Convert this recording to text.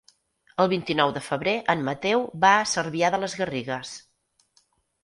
El vint-i-nou de febrer en Mateu va a Cervià de les Garrigues.